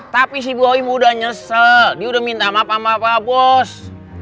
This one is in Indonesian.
tapi si boyin udah nyesel dia udah minta maaf sama bos